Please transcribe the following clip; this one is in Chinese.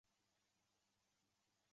秦哀平帝苻丕氐族人。